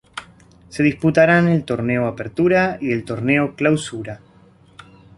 Se disputarán el Torneo Apertura y el Torneo Clausura.